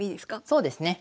そうですね。